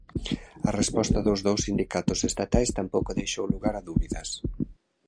A resposta dos dous sindicatos estatais tampouco deixou lugar a dúbidas.